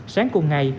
sáng cùng ngày